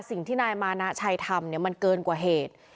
สิ่งที่นายมานะชัยทำเนี่ยมันเกินกว่าเหตุ